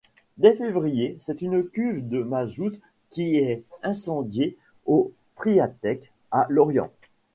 Dès février, c'est une cuve à mazout qui est incendiée au Priatec à Lorient.